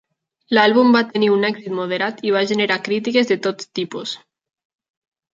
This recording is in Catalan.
L'àlbum va tenir un èxit moderat i va generar crítiques de tots tipus.